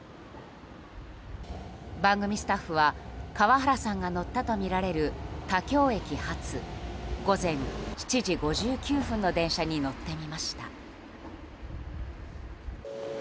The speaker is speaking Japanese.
番組スタッフは川原さんが乗ったとみられる田京駅発午前７時５９分の電車に乗ってみました。